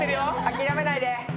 諦めないで。